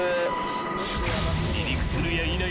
［離陸するやいなや］